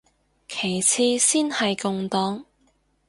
其次先係共黨